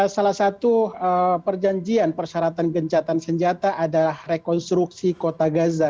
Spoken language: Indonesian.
salah satu perjanjian persyaratan gencatan senjata adalah rekonstruksi kota gaza